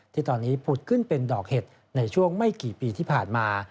ที่ตอนนี้ผุดขึ้นเป็นดอกเห็ดในช่วงไม่กี่ปีที่ผ่านมา